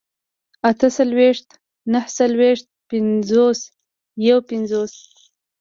اتهڅلوېښت، نههڅلوېښت، پينځوس، يوپينځوس